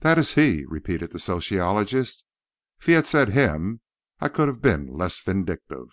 "That is he," repeated the sociologist. If he had said "him" I could have been less vindictive.